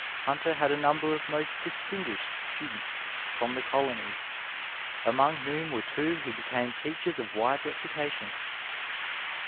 Hunter had a number of most distinguished students from the colonies, among whom were two who became teachers of wide reputation.